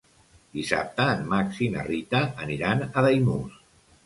Dissabte en Max i na Rita aniran a Daimús.